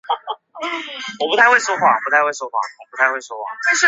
这些公式也可以用拉格朗日表示法来表示。